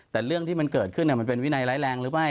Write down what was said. แต่เรื่องที่มันเกิดขึ้นมันเป็นวินัยร้ายแรงหรือไม่